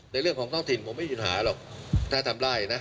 ในเรื่องของท้องถิ่นผมไม่มีปัญหาหรอกถ้าทำได้นะ